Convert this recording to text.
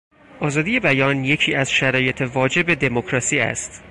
آزادی بیان یکی از شرایط واجب دموکراسی است.